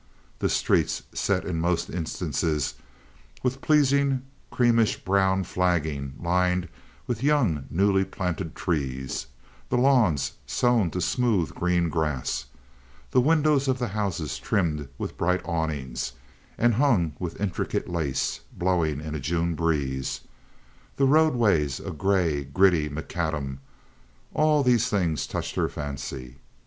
The streets, set in most instances with a pleasing creamish brown flagging, lined with young, newly planted trees, the lawns sown to smooth green grass, the windows of the houses trimmed with bright awnings and hung with intricate lace, blowing in a June breeze, the roadways a gray, gritty macadam—all these things touched her fancy.